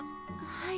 はい。